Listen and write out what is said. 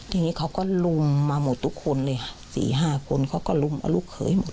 ทีนี้เขาก็ลุมมาหมดทุกคนเลยค่ะ๔๕คนเขาก็ลุมเอาลูกเขยหมด